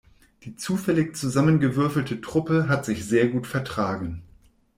Die zufällig zusammengewürfelte Truppe hat sich sehr gut vertragen.